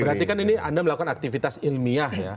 berarti kan ini anda melakukan aktivitas ilmiah ya